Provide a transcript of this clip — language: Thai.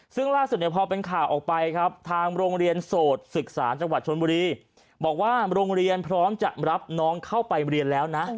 ซึ่งล่าสุดเนี่ยพอเป็นข่าวออกไปครับทางโรงเรียนโสดศึกษาจังหวัดชนบุรีบอกว่าโรงเรียนพร้อมจะรับน้องเข้าไปเรียนแล้วนะ